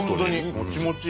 もちもち。